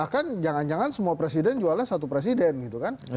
bahkan jangan jangan semua presiden jualnya satu presiden gitu kan